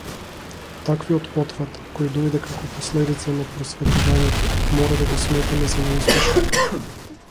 Таквиот потфат, кој дојде како последица на просветувањето, мора да го сметаме за неуспешен.